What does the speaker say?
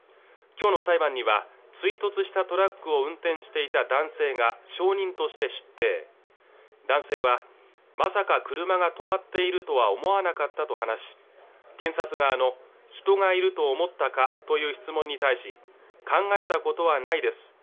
今日の裁判には追突したトラックを運転していた男性が証人として出廷男性はまさか車が止まっているとは思わなかったと話し検察側の人がいると思ったかという質問に対し考えたことはないです